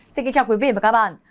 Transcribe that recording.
xin kính chào quý vị và các bạn